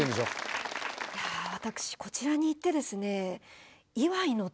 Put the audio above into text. いや私こちらに行ってですね